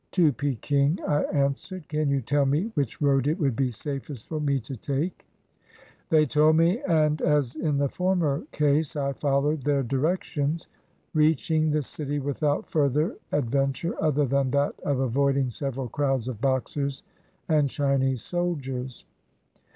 "To Peking," I answered; "can you tell me which road it would be safest for me to take? " They told me, and, as in the former case, I followed their directions, reaching the city without further ad venture other than that of avoiding several crowds of Boxers and Chinese soldiers.